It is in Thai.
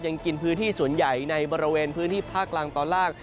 ยังกินพื้นที่ส่วนใหญ่ในบริเวณพื้นที่ภาคกลางตอนล่าง